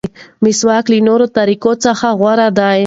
مسواک له نورو طریقو څخه غوره دی.